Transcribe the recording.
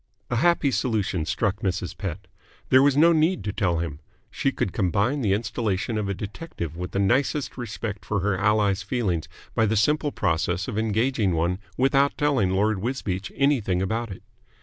A happy solution struck Mrs. Pett. There was no need to tell him. She could combine the installation of a detective with the nicest respect for her ally's feelings by the simple process of engaging one without telling Lord Wisbeach anything about it.